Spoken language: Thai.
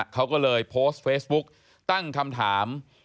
เขาก็เลยโพสต์เฟซบุ๊กตั้งคำถาม